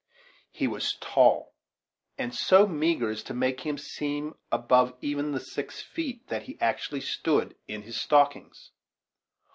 He was tall, and so meagre as to make him seem above even the six feet that he actually stood in his stockings.